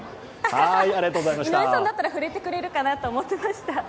井上さんだったら触れてくれるかなと思っていました。